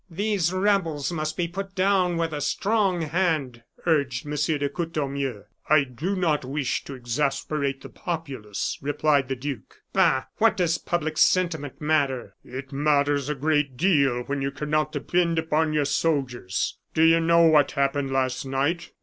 "These rebels must be put down with a strong hand!" urged M. de Courtornieu. "I do not wish to exasperate the populace," replied the duke. "Bah! what does public sentiment matter?" "It matters a great deal when you cannot depend upon your soldiers. Do you know what happened last night?